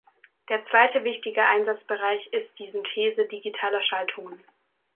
Der zweite wichtige Einsatzbereich ist die Synthese digitaler Schaltungen.